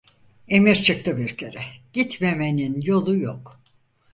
Emir çıktı bir kere, gitmemenin yolu yok!